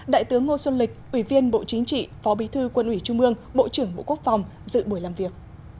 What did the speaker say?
đại tướng ngô xuân lịch ủy viên bộ chính trị phó bí thư quân ủy trung ương bộ trưởng bộ quốc phòng dự buổi làm việc